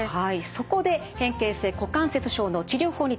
そこで変形性股関節症の治療法について見ていきます。